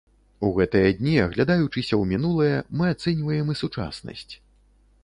У гэтыя дні, аглядаючыся ў мінулае, мы ацэньваем і сучаснасць.